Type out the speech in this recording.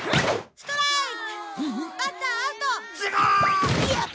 ストライク！